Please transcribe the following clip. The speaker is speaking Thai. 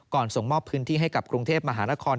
ส่งมอบพื้นที่ให้กับกรุงเทพมหานคร